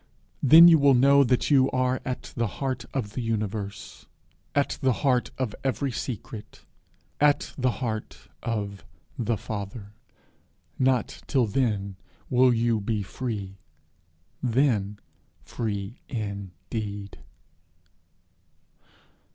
Then you will know that you are at the heart of the universe, at the heart of every secret at the heart of the Father. Not till then will you be free, then free indeed!'